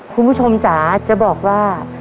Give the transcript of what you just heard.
คุณผู้ชมจ๋าจะบอกว่า